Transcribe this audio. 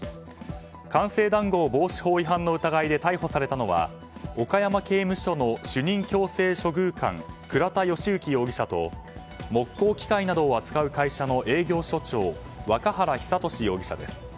官製談合防止法違反の疑いで逮捕されたのは岡山刑務所の主任矯正処遇官倉田容行容疑者と木工機械などを扱う会社の営業所長若原久稔容疑者です。